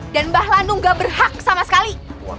dan mbah lanu gak berhak sama sekali